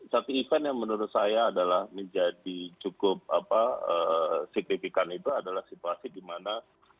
satu event yang menurut saya adalah menjadi cukup signifikan itu adalah situasi di mana